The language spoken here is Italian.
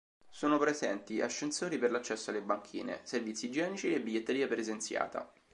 Sono presenti ascensori per l'accesso alle banchine, servizi igienici e biglietteria presenziata.